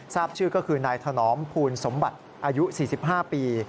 ทราบชื่อก็คือนายถนอมภูลสมบัติอายุ๔๕ปี